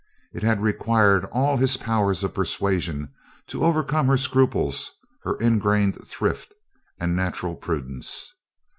It had required all his powers of persuasion to overcome her scruples, her ingrained thrift and natural prudence.